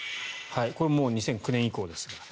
これも２００９年以降ですから。